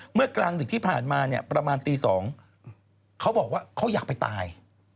กลางดึกที่ผ่านมาเนี่ยประมาณตี๒เขาบอกว่าเขาอยากไปตาย